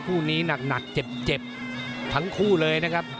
คู่นี้หนักเจ็บทั้งคู่เลยนะครับ